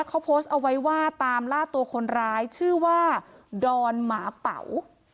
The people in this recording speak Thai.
เขาโพสต์เอาไว้ว่าตามล่าตัวคนร้ายชื่อว่าดอนหมาเป๋า